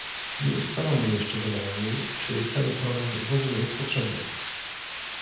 Nie ustalono jeszcze bynajmniej, czy cały program w ogóle jest potrzebny